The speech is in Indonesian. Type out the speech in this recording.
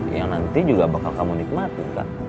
yang nanti juga bakal kamu nikmati kan